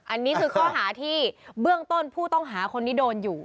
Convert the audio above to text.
อันนี้คือข้อหาที่เบื้องต้นผู้ต้องหาคนนี้โดนอยู่